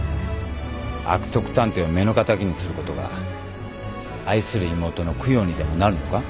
悪徳探偵を目の敵にすることが愛する妹の供養にでもなるのか？